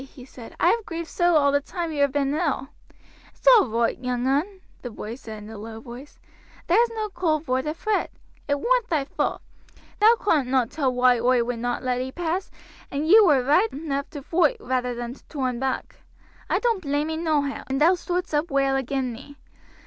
he said; "I have grieved so all the time you have been ill." "It's all roight, young un," the boy said in a low voice, "thar's no call vor to fret. It warn't thy fault; thou couldn't not tell why oi would not let ee pass, and ye were roight enough to foight rather than to toorn back. I doan't blame ee nohow, and thou stoodst up well agin me.